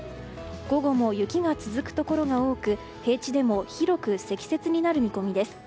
午後も雪が続くところが多く平地でも広く積雪になる見込みです。